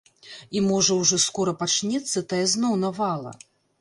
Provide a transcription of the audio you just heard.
І можа ўжо скора пачнецца тая зноў навала?